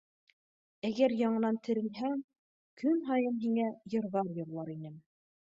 Әгәр яңынан терелһәң, көн һайын һиңә йырҙар йырлар инем.